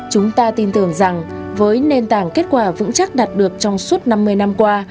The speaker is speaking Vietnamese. chúng ta tin tưởng rằng với nền tảng kết quả vững chắc đạt được trong suốt năm mươi năm qua